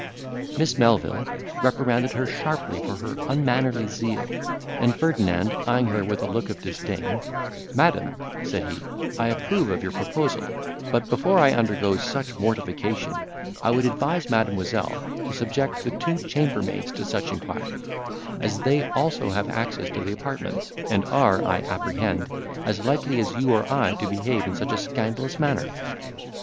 Miss Melvil reprimanded her sharply for her unmannerly zeal; and Ferdinand eyeing her with a look of disdain, "Madam," said he, "I approve of your proposal; but, before I undergo such mortification, I would advise Mademoiselle to subject the two chambermaids to such inquiry; as they also have access to the apartments, and are, I apprehend, as likely as you or I to behave in such a scandalous manner."